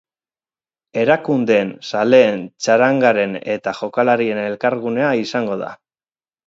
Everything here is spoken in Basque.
Erakundeen, zaleen, txarangaren eta jokalarien elkargunea izango da.